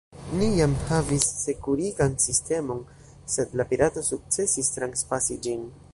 Ni jam havis sekurigan sistemon, sed la pirato sukcesis transpasi ĝin.